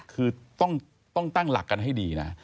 คือต้องตั้งหลักกันให้ดีนะ